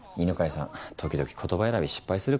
さん時々言葉選び失敗するからな。